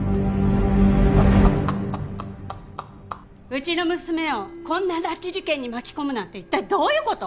うちの娘をこんな拉致事件に巻き込むなんて一体どういう事！？